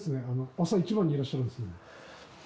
朝一番にいらっしゃるんですね